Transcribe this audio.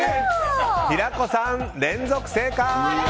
平子さん、連続正解！